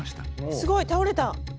すごい倒れた！